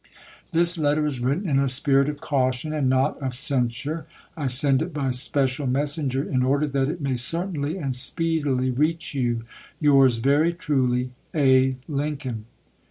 This letter is written in a spirit of caution, and not of w. R. Vol. censure. I send it bv special messenger, in order that it in., pp.469, .• 1 11 1 1 470. may certainly and speedily reach you. Yours very truly, A. Lincoln.